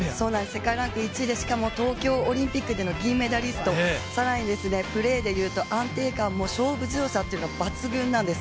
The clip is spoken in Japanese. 世界ランキング１位で、しかも東京オリンピックの銀メダリスト更にプレーで言うと安定感も勝負強さも抜群なんです。